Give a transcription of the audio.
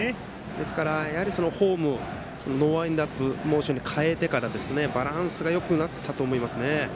ですから、フォームノーワインドアップモーションに変えてからバランスがよくなったと思います。